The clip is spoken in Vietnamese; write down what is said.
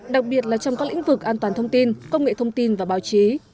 đặc biệt là trong các lĩnh vực an toàn thông tin công nghệ thông tin và báo chí